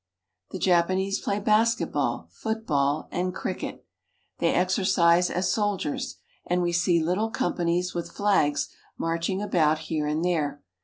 The Japanese play basket ball, football, and cricket. They exercise as soldiers, and we see little companies with flags marching about here and there.